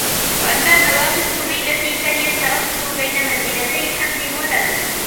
وَأَمَّا مَوَاقِفُ الرِّيبَةِ فَهِيَ التَّرَدُّدُ بَيْنَ مَنْزِلَتَيْ حَمْدٍ وَذَمٍّ